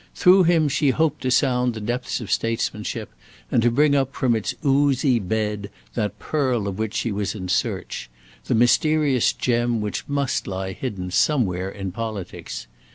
Through him she hoped to sound the depths of statesmanship and to bring up from its oozy bed that pearl of which she was in search; the mysterious gem which must lie hidden somewhere in politics.